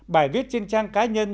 bài viết trên trang cá nhân